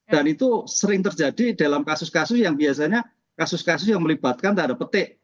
itu sering terjadi dalam kasus kasus yang biasanya kasus kasus yang melibatkan tanda petik